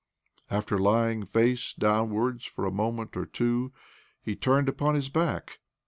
... After lying face downwards for a moment or two, he turned upon his back.